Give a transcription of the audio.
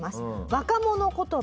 若者言葉。